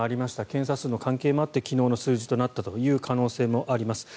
検査数の関係もあって昨日の数字となったという可能性もあります。